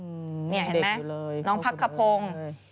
อืมเด็กอยู่เลยเขาก็เลยนี่เห็นไหมน้องพักกะโพง